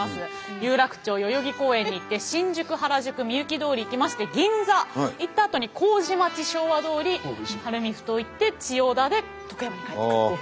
有楽町代々木公園に行って新宿原宿御幸通行きまして銀座行ったあとに糀町昭和通晴海埠頭行って千代田で徳山に帰ってくるという。